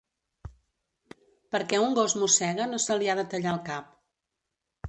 Perquè un gos mossega no se li ha de tallar el cap.